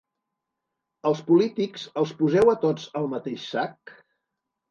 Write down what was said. Els polítics, els poseu a tots al mateix sac?